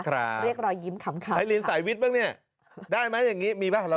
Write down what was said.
ครับใครลินสายวิทย์บ้างเนี่ยได้ไหมอย่างนี้มีไหม